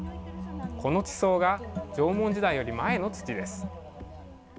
この地層が縄文時代より前の土です。